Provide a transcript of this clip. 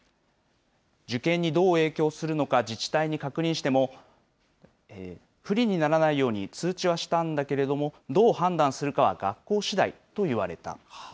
受験にどう影響するのか自治体に確認しても、不利にならないように通知はしたんだけれども、どう判断するかは学校しだいと言われた。